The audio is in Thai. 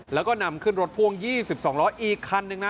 แล้วก็นำขึ้นรถพ่วง๒๒ล้ออีกคันนึงนะ